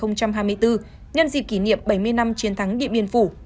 nhân dịp kỷ niệm bảy mươi năm chiến thắng điện biên phủ